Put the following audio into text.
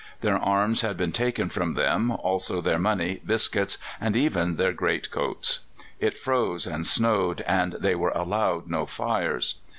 Their arms had been taken from them, also their money, biscuits, and even their great coats. It froze and snowed, and they were allowed no fires.